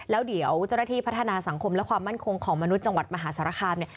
แล้วเดี๋ยวเจ้าหน้าที่พัฒนาสังคมและความมั่นคงของมนุษย์จังหวัดมหาสารคามเนี่ย